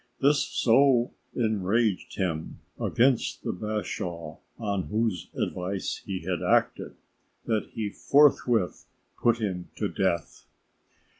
This so enraged him against the bashaw on whose advice he had acted, that he forthwith put him to death.